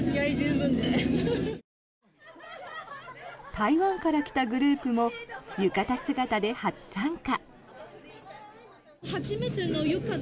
台湾から来たグループも浴衣姿で初参加。